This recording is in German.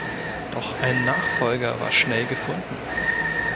Doch ein Nachfolger war schnell gefunden.